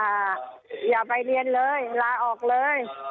อย่าไปเรียนเลยลาออกเลย